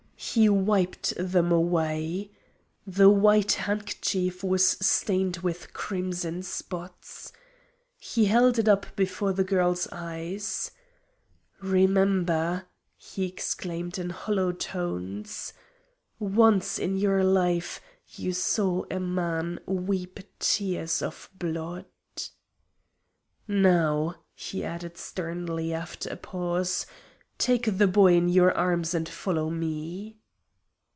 He wiped them away. The white handkerchief was stained with crimson spots. He held it up before the girl's eyes. "Remember!" he exclaimed in hollow tones, "once in your life you saw a man weep tears of blood." "Now," he added sternly, after a pause, "take the boy in your arms and follow me."